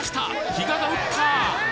比嘉が打った！